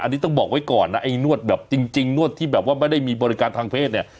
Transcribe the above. อันนี้ต้องบอกไว้ก่อนนะไอ้นวดแบบจริงนวดที่แบบว่าไม่ได้มีบริการทางเพศเนี่ย